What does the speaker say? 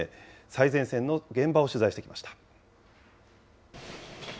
最前線の現場を取材してきました。